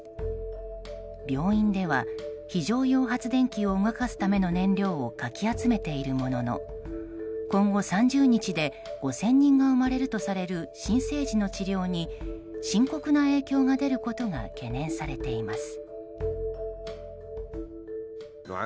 病院では、非常用発電機を動かすための燃料をかき集めているものの今後３０日で５０００人が生まれるとされる新生児の治療に深刻な影響が出ることが懸念されています。